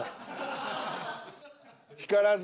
光らず。